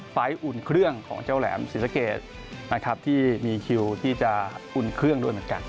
อุ่นเครื่องของเจ้าแหลมศรีสะเกดนะครับที่มีคิวที่จะอุ่นเครื่องด้วยเหมือนกัน